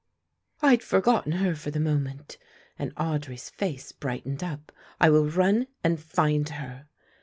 "I had forgotten her for the moment," and Audry's face brightened up. "I will run and find her."